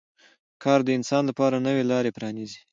کار د انسان لپاره نوې لارې پرانیزي